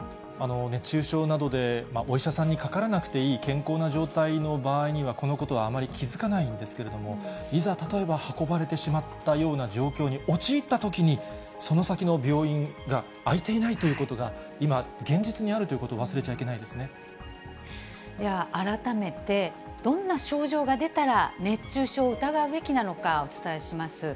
熱中症などでお医者さんにかからなくていい健康な状態の場合には、このことはあまり気付かないんですけれども、いざ、例えば運ばれてしまったような状況に陥ったときに、その先の病院が空いていないということが今、現実にあるというこでは改めて、どんな症状が出たら、熱中症を疑うべきなのかお伝えします。